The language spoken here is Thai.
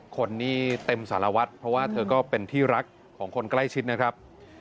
คนนี้เต็มสารวัตรเพราะว่าเธอก็เป็นที่รักของคนใกล้ชิดนะครับ